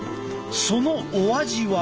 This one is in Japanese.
そのお味は？